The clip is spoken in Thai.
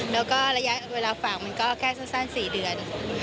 แล้วก็ระยะเวลาฝากมันก็แค่สั้น๔เดือน